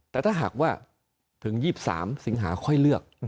แต่ถ้าหากว่าถึง๒๓สิงหาค่อยเลือก